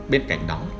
bên cạnh đó